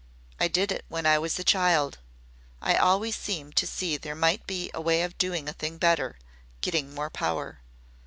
"I did it when I was a child. I always seemed to see there might be a way of doing a thing better getting more power.